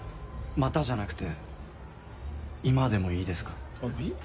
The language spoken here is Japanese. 「また」じゃなくて今でもいいですか？